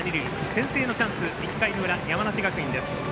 先制のチャンス、１回の裏山梨学院です。